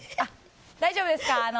大丈夫ですから。